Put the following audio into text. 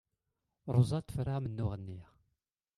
Ṛuza tefra amennuɣ-nni.